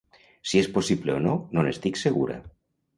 Si és possible o no, no n’estic segura.